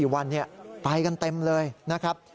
๔วันไปกันเต็มเลยนะครับ